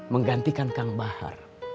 menggantikan kang bahar